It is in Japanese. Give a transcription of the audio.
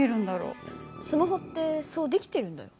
スマホってそう出来てるんだよ。